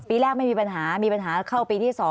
ปีแรกไม่มีปัญหามีปัญหาเข้าปีที่๒